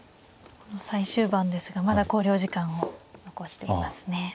最終盤ですがまだ考慮時間を残していますね。